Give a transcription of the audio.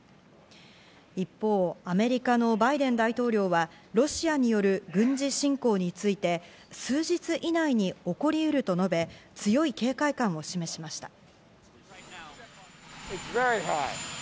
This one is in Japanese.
一方、アメリカのバイデン大統領はロシアによる軍事侵攻について数日以内に起こりうると述べ、強い警戒感を示しました。